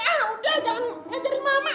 ah udah jangan ngajarin mama